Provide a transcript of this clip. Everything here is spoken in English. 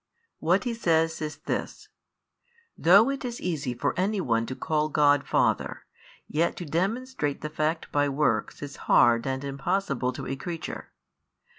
What He says is this. Though it is easy for any one to call God Father, yet to demonstrate the fact by works |108 is hard and impossible to a creature.